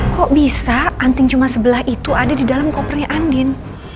kok bisa anting cuma sebelah itu ada di dalam kopernya andin